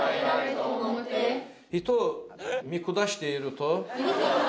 人を見下していると。